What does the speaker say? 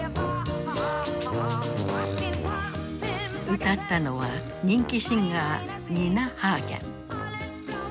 歌ったのは人気シンガーニナ・ハーゲン。